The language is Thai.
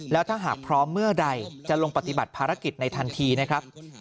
แล้วถ้าหากพร้อมเมื่อใดจะลงปฏิบัติภารกิจในทันทีนะครับ